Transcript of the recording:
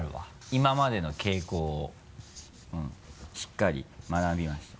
今までの傾向をしっかり学びました。